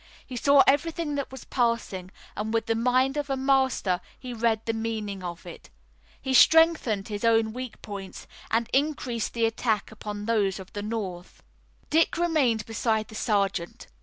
He saw everything that was passing, and with the mind of a master he read the meaning of it. He strengthened his own weak points and increased the attack upon those of the North. Dick remained beside the sergeant.